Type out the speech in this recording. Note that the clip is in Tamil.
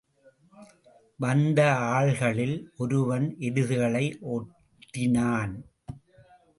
வந்த ஆள்களில் ஒருவன் எருதுகளை ஒட்டினான்.